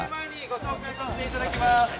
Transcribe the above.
ご紹介させていただきます。